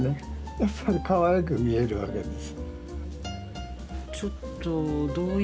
やっぱりかわいく見えるわけです。